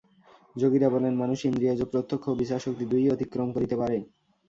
যোগীরা বলেন, মানুষ ইন্দ্রিয়জ প্রত্যক্ষ ও বিচারশক্তি দুই-ই অতিক্রম করিতে পারে।